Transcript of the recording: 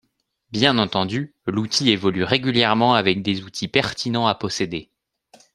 Bien entendu, l'outil évolue régulièrement avec des outils pertinents à posséder.